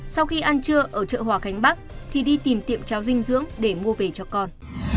sau khi ăn trưa ở chợ hòa khánh bắc thì đi tìm tiệm cháo dinh dưỡng để mua về cho con